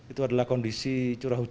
itu adalah kondisi curah hujan